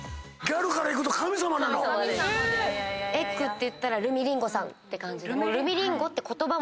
『ｅｇｇ』っていったらルミリンゴさんって感じで。